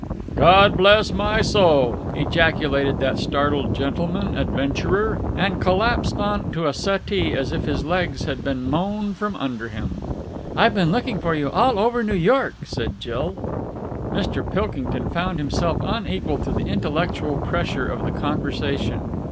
"God bless my soul!" ejaculated that startled gentleman adventurer, and collapsed on to a settee as if his legs had been mown from under him. "I've been looking for you all over New York," said Jill. Mr. Pilkington found himself unequal to the intellectual pressure of the conversation.